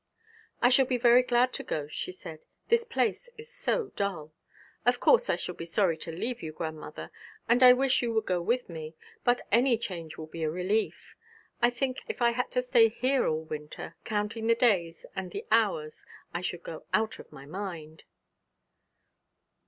'I shall be very glad to go,' she said, 'this place is so dull. Of course I shall be sorry to leave you, grandmother, and I wish you would go with me; but any change will be a relief. I think if I had to stay here all the winter, counting the days and the hours, I should go out of my mind.'